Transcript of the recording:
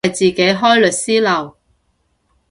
大將軍係自己開律師樓